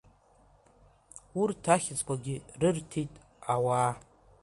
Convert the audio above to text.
Урҭ ахьыӡқәагьы рырҭит ауаа…